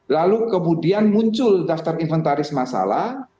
lalu kemudian muncul daftar inventaris masalah